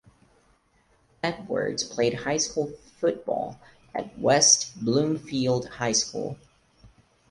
Edwards played high school football at West Bloomfield High School.